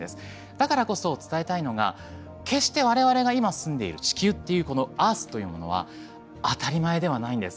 だからこそ伝えたいのが決して我々が今住んでいる地球っていうこの「Ｅａｒｔｈ」というものは当たり前ではないんです。